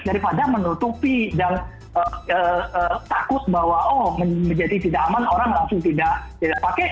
daripada menutupi dan takut bahwa oh menjadi tidak aman orang langsung tidak pakai